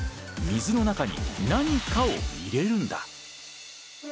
水の中に何かを入れるんだ。